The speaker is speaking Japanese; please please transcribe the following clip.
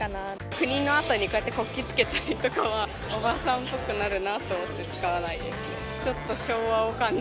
国のあとにこうやって国旗をつけるのはおばさんぽくなると思って使わないです。